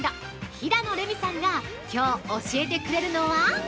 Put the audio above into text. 平野レミさんがきょう教えてくれるのは◆